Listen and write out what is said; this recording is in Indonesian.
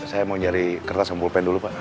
saya mau cari kertas dan pulpen dulu pak